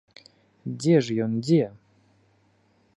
Дзе ж ён, дзе?